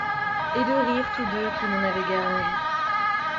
Et de rire tous deux, qui n'en avaient guère envie.